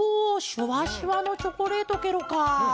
シュワシュワのチョコレートケロか！